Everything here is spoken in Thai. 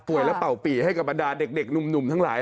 แล้วเป่าปีให้กับบรรดาเด็กหนุ่มทั้งหลาย